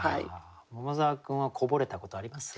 桃沢君は零れたことあります？